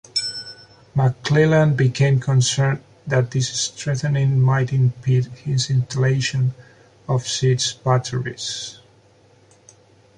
McClellan became concerned that this strengthening might impede his installation of siege batteries.